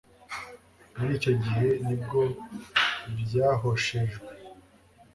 muri icyo gihe nibwo byahoshejejwe